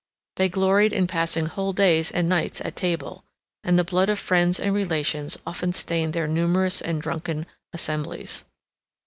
They gloried in passing whole days and nights at table; and the blood of friends and relations often stained their numerous and drunken assemblies.